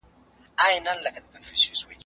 هغه د خپل هېواد په خاوره مین و.